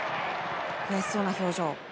悔しそうな表情。